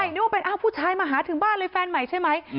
นึกว่าเป็นอ้าวผู้ชายมาหาถึงบ้านเลยแฟนใหม่ใช่ไหม